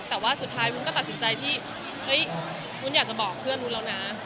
แต่ว่าสุดท้ายวุ้นก็ตัดสินใจที่เฮ้ยวุ้นอยากจะบอกเพื่อนวุ้นแล้วนะ